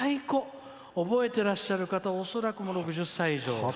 覚えてらっしゃる方恐らく６０歳以上。